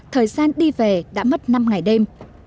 thời gian đi về đã mất năm ngày đêm